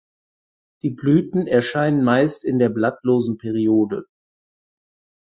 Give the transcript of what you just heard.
Die Blüten erscheinen meist in der blattlosen Periode.